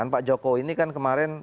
pak jokowi ini kan kemarin